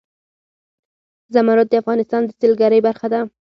زمرد د افغانستان د سیلګرۍ برخه ده.